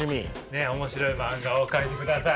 面白い漫画を描いてください。